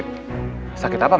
tapi dia ya akhirnya uranus